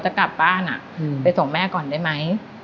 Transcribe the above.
จะกลับบ้านไปส่งแม่ก่อนได้ไหม